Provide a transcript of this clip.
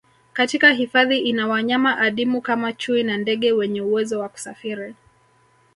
Katika hifadhi ina wanyama adimu kama chui na ndege wenye uwezo wa kusafiri